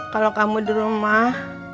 kalo kamu dirumah